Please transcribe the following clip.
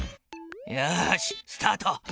よしスタート。